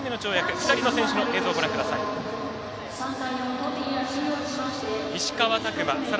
２人の映像をご覧ください。